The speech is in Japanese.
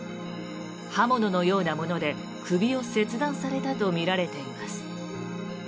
刃物のようなもので首を切断されたとみられています。